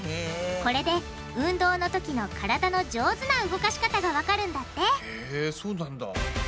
これで運動のときの体の上手な動かし方がわかるんだってへぇそうなんだ。